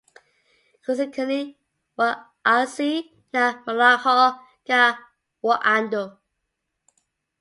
Kusekunee w'asi na malagho gha w'andu.